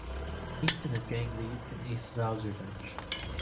Ace and his gang leave and Ace vows revenge.